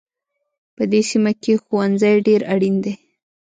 په دې سیمه کې ښوونځی ډېر اړین دی